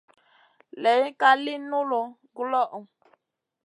Layn ka li nullu guloʼo.